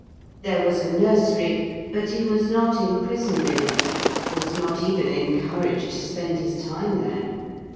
There was a nursery, but he was not imprisoned in it was not even encouraged to spend his time there.